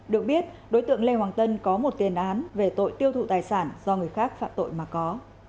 được biết đối tượng lê hoàng tân có một tiền án về tội tiêu thụ tài sản do người khác phạm tội mà có